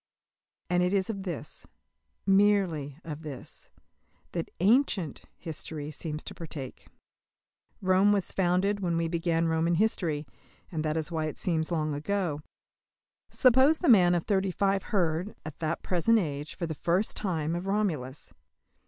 And it is of this merely of this that "ancient" history seems to partake. Rome was founded when we began Roman history, and that is why it seems long ago. Suppose the man of thirty five heard, at that present age, for the first time of Romulus.